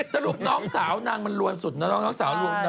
สรุปน้องสาวนางมันรวนสุดนะน้องสาวลวนนาง